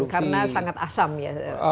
karena sangat asam ya